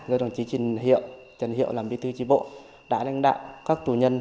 do đồng chí trần hiệu làm vi tư tri bộ đã lãnh đạo các tù nhân